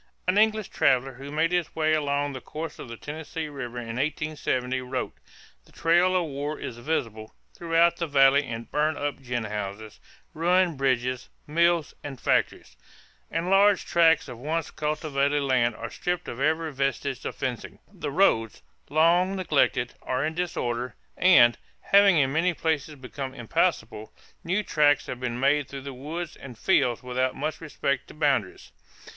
An English traveler who made his way along the course of the Tennessee River in 1870 wrote: "The trail of war is visible throughout the valley in burnt up gin houses, ruined bridges, mills, and factories ... and large tracts of once cultivated land are stripped of every vestige of fencing. The roads, long neglected, are in disorder and, having in many places become impassable, new tracks have been made through the woods and fields without much respect to boundaries."